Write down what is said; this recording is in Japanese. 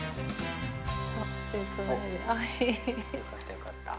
よかったよかった。